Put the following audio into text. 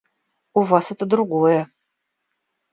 У вас это другое.